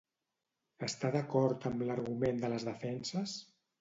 Està d'acord amb l'argument de les defenses?